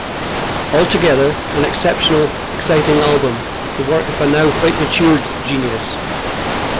Altogether, an exceptional, exciting album, the work of a now quite matured genius.